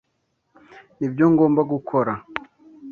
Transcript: Nibyo ngomba gukora?